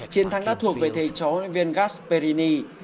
chiến thắng đã thuộc về thầy trói viên gasperini